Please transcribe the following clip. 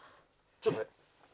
「ちょっと」